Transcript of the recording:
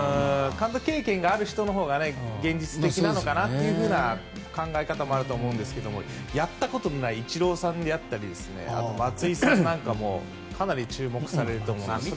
監督経験がある人のほうが現実的なのかなという考え方もあると思うんですがやったことのないイチローさんだったり松井さんなんかもかなり注目されると思います。